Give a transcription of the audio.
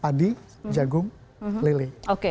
padi jagung lele